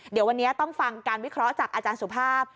เดี๋ยววันนี้ต้องฟังการวิเคราะห์จากอาจารย์สุภาพ